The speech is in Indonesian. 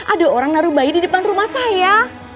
aduh orang naruh bayi di depan rumah saya